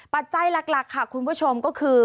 ปัจจัยหลักค่ะคุณผู้ชมก็คือ